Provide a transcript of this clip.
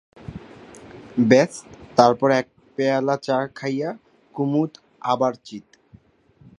ব্যস, তারপর এক পেয়ালা চা খাইয়া কুমুদ আবার চিত।